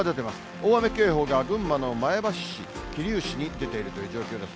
大雨警報が群馬の前橋市、桐生市に出ているという状況です。